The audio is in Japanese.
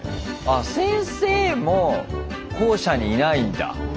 あ先生も校舎にいないんだ。